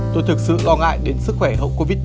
tôi thực sự lo ngại đến sức khỏe hậu covid một mươi